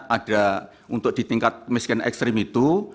ada untuk ditingkat miskin ekstrim itu